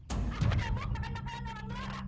aku udah muak makan makanan orang orang